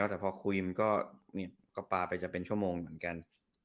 แต่พอคุยมันก็ปลาไปจะเป็นชั่วโมงเหมือนกัน